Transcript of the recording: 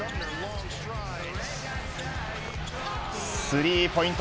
スリーポイント